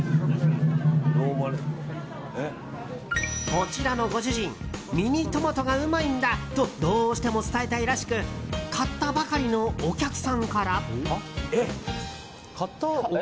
こちらのご主人ミニトマトがうまいんだとどうしても伝えたいらしく買ったばかりのお客さんから。